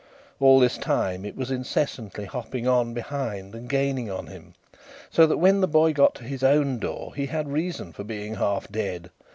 All this time it was incessantly hopping on behind and gaining on him, so that when the boy got to his own door he had reason for being half dead.